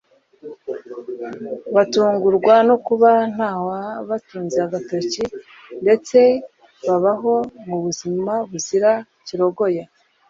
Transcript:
batungurwa no kuba nta wabatunze agatoki ndetse babaho mu buzima buzira kirogoya